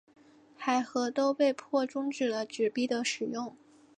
海合都被迫中止了纸币的使用。